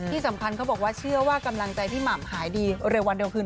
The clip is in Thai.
เขาบอกว่าเชื่อว่ากำลังใจพี่หม่ำหายดีเร็ววันเร็วคืน